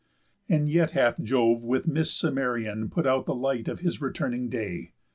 And yet hath Jove with mists Cimmerian Put out the light of his returning day.